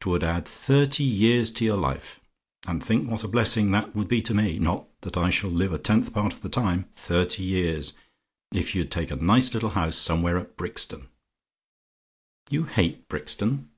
"'Twould add thirty years to your life and think what a blessing that would be to me; not that I shall live a tenth part of the time thirty years, if you'd take a nice little house somewhere at Brixton. "YOU HATE BRIXTON?